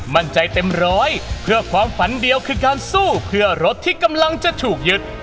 เต็มร้อยเพื่อความฝันเดียวคือการสู้เพื่อรถที่กำลังจะถูกยึด